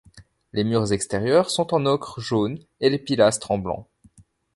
Les murs extérieurs sont en ocre jaune et les pilastres en blanc.